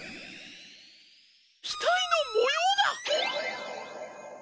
ひたいのもようだ！